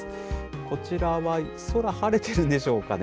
こちらは空、晴れてるんでしょうかね。